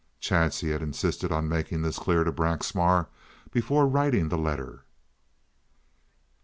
Chadsey had insisted on making this clear to Braxmar before writing the letter. CHAPTER LII.